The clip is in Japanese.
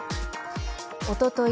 おととい